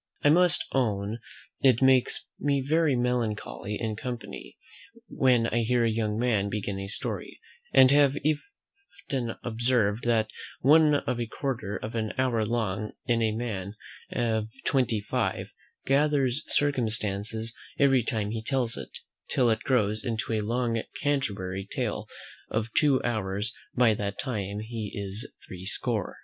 I must own, it makes me very melancholy in company, when I hear a young man begin a story; and have often observed, that one of a quarter of an hour long in a man of five and twenty, gathers circumstances every time he tells it, till it grows into a long Canterbury tale of two hours by that time he is three score.